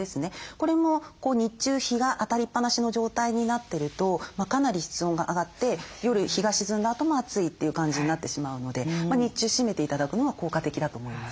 これも日中日が当たりっぱなしの状態になってるとかなり室温が上がって夜日が沈んだあとも暑いという感じになってしまうので日中閉めて頂くのは効果的だと思います。